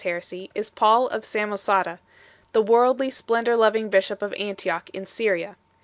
175 189. of Samosata, the worldly, splendour loving bishop of Antioch in Syria.